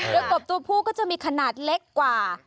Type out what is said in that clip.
แล้วกบตัวพูก็จะมีขนาดเล็กกว่า